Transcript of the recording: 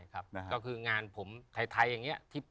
ก็คืองานผมไทยอย่างนี้